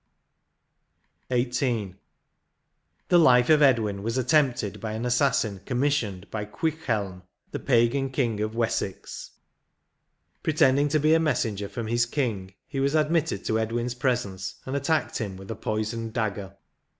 D 2 XVIII. The life of Edwin was attempted by an assassin commissioned by Owichhelm^ the pagan King of Wessex. Pretending to be a messenger from his king, he was admitted to Edwin's presence, and attacked him with a poisoned dagger.